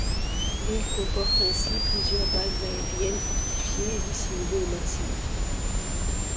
L'île comporte ainsi plusieurs bases aériennes fortifiées et dissimulées au maximum.